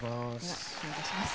では失礼いたします。